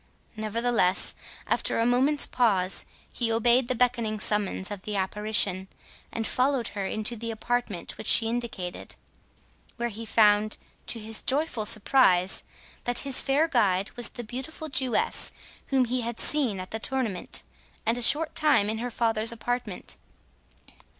Nevertheless, after a moment's pause, he obeyed the beckoning summons of the apparition, and followed her into the apartment which she indicated, where he found to his joyful surprise that his fair guide was the beautiful Jewess whom he had seen at the tournament, and a short time in her father's apartment.